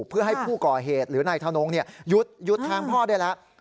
เพื่อให้ผู้ก่อเหตุหรือนายทนงหยุดแทงพ่อได้แล้ว